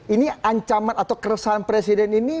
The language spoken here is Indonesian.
ini ancaman atau keresahan presiden ini